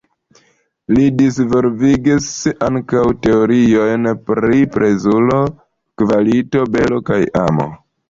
Li disvolvigis ankaŭ teoriojn pri plezuro, kvalito, belo kaj amo.